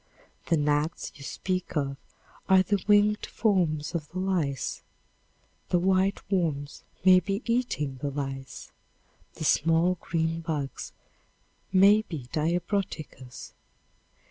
The gnats you speak of are the winged forms of the lice; the white worms may be eating the lice; the "small green bugs" may be diabroticas.